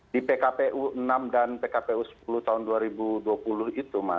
di pkpu enam dan pkpu sepuluh tahun dua ribu dua puluh itu mas